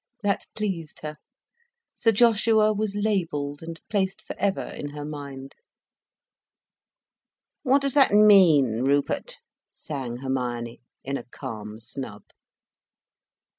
That pleased her. Sir Joshua was labelled and placed forever in her mind. "What does that mean, Rupert?" sang Hermione, in a calm snub.